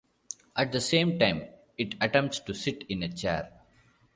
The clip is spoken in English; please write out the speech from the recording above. At the same time, "it" attempts to sit in a chair.